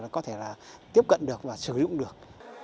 có thể là tiếp cận được và sử dụng được